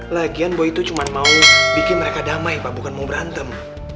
lagian bahwa itu cuma mau bikin mereka damai pak bukan mau berantem